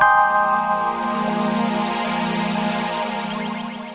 sensor di lampung iklus